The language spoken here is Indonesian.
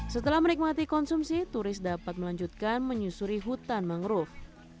setelah menikmati konsumsi turis dapat melanjutkan menyusuri hutan mangrove